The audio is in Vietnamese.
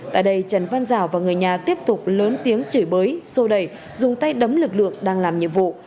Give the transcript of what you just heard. tại đây trần văn giào và người nhà tiếp tục lớn tiếng chửi bới sô đẩy dùng tay đấm lực lượng đang làm nhiệm vụ